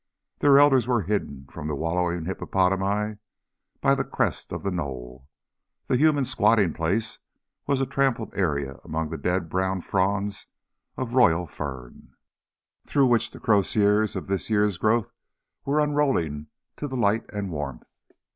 Their elders were hidden from the wallowing hippopotami by the crest of the knoll. The human squatting place was a trampled area among the dead brown fronds of Royal Fern, through which the crosiers of this year's growth were unrolling to the light and warmth.